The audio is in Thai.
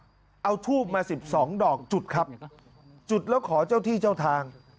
เอาทูบมาสิบสองดอกจุดครับจุดแล้วขอเจ้าที่เจ้าทาง